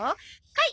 はい。